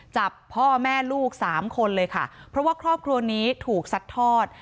จับพ่อแม่ลูกสามคนเลยค่ะเพราะว่าครอบครัวนี้ถูกซัดทอด